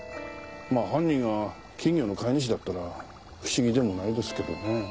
まあ犯人が金魚の飼い主だったら不思議でもないですけどね。